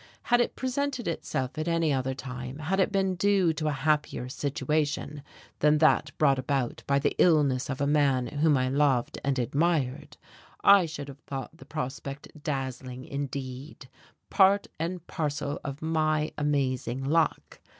Had it presented itself at any other time, had it been due to a happier situation than that brought about by the illness of a man whom I loved and admired, I should have thought the prospect dazzling indeed, part and parcel of my amazing luck.